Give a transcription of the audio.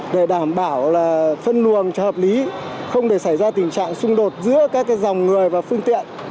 để đảm bảo là phân luồng cho hợp lý không để xảy ra tình trạng xung đột giữa các dòng người và phương tiện